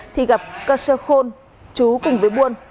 thì gặp cơ sơ khuôn chú cùng với muôn